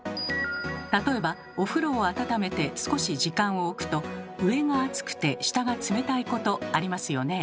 例えばお風呂を温めて少し時間を置くと上が熱くて下が冷たいことありますよね？